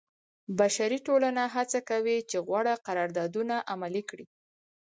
بشري ټولنې هڅه کوي چې غوره قراردادونه عملي کړي.